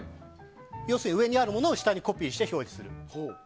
要するに上にあるものを下にコピーして表示する。